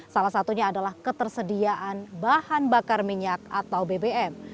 salah satunya adalah ketersediaan bahan bakar minyak atau bbm